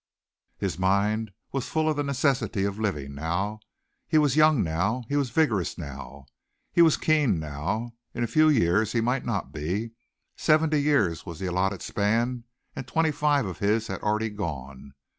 His mind was full of the necessity of living now. He was young now; he was vigorous now; he was keen now; in a few years he might not be seventy years was the allotted span and twenty five of his had already gone.